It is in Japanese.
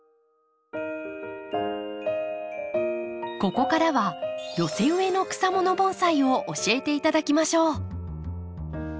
ここからは寄せ植えの草もの盆栽を教えて頂きましょう。